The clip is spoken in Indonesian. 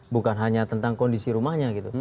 bukan hanya tentang kondisi rumahnya gitu